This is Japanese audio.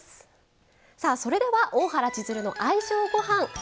さあそれでは「大原千鶴の愛情ごはん」。